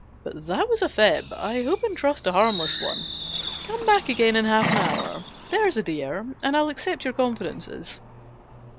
But that was a fib I hope and trust a harmless one. " Come back again in half an hour, there's a dear, and I'll accept your confidences."